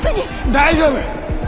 大丈夫！